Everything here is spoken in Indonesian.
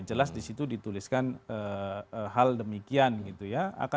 jelas disitu dituliskan hal demikian gitu ya